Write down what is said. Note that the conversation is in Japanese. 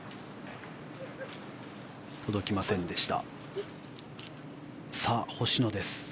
届きませんでした。